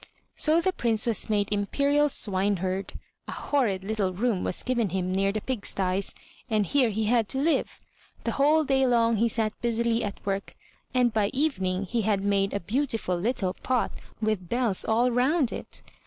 So the Prince was made imperial swineherd. A horrid little room was given him near the pig sties, and here he had to live. The whole day long he sat busily at work, and by evening, he had made a beautiful little pot with bells all round it.